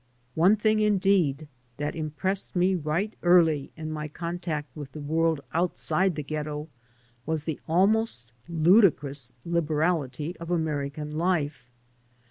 One thing, indeed, that impressed me right early in my contact with the world outside the Ghetto was the almost ludicrous liberality of American life.